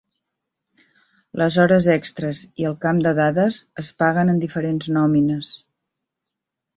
Les hores extres i el camp de dades es paguen en diferents nòmines.